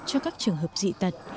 cho các trường hợp dị tật